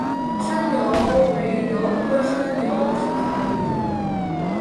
山蓼为蓼科山蓼属下的一个种。